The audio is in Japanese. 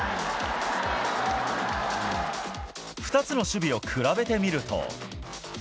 ２つの守備を比べてみると。